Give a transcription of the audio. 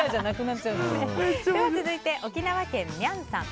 続いて、沖縄県の方。